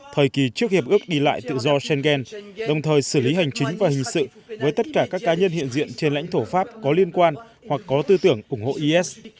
thời kỳ trước hiệp ước đi lại tự do schengen đồng thời xử lý hành chính và hình sự với tất cả các cá nhân hiện diện trên lãnh thổ pháp có liên quan hoặc có tư tưởng ủng hộ is